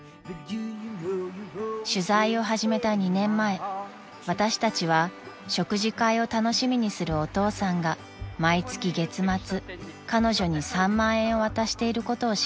［取材を始めた２年前私たちは食事会を楽しみにするお父さんが毎月月末彼女に３万円を渡していることを知りました］